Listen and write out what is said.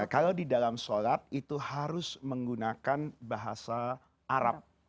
kalau di dalam sholat itu harus menggunakan bahasa arab